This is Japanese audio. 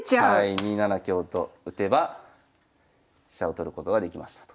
２七香と打てば飛車を取ることができましたと。